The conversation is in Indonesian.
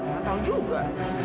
tak tahu juga